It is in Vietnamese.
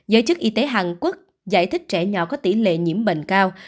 giới chức y tế hàn quốc giải thích trẻ nhỏ có tỷ lệ nhiễm bệnh cao